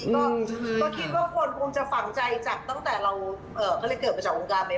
อืมใช่ค่ะคิดว่าคนคงจะฝั่งใจจากตั้งแต่เราเขาเรียกเกิดมาจากวงการใหม่